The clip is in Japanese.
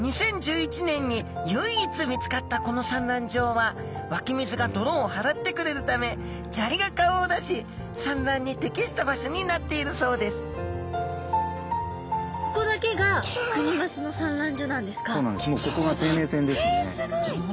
２０１１年に唯一見つかったこの産卵場はわき水が泥をはらってくれるため砂利が顔を出し産卵に適した場所になっているそうですえすごい！じゃあ本当に大切にしないと。